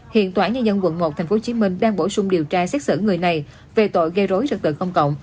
hiện tỏa nhân dân quận một tp hcm đang bổ sung điều tra xét xử người này về tội gây rối rật tự công cộng